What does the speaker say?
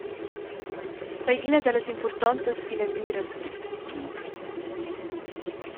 Quei ei ina dallas impurtontas finamiras pil futur.